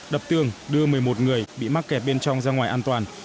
đập tường đưa một mươi một người bị mắc kẹt bên trong ra ngoài an toàn